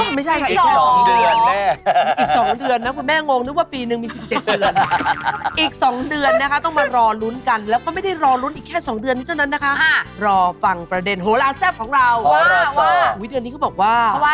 อุ๊ยเดือนนี้เขาบอกว่าเขาว่าอะไรคะ